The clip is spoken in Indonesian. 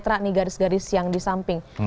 terak nih garis garis yang di samping